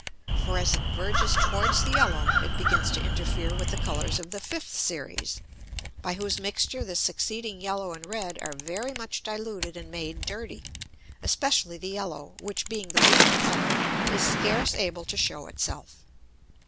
For as it verges towards the yellow, it begins to interfere with the Colours of the fifth Series, by whose mixture the succeeding yellow and red are very much diluted and made dirty, especially the yellow, which being the weaker Colour is scarce able to shew it self.